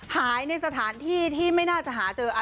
ในสถานที่ที่ไม่น่าจะหาเจอ